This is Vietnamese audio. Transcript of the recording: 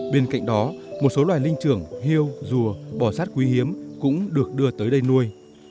bên cạnh đó một số loài linh trưởng hiêu rùa bò sát quý hiếm cũng được đưa tới đây nuôi